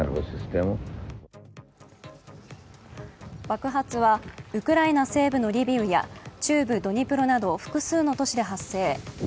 爆発はウクライナ西部のリビウや中部ドニプロなど複数の都市で発生。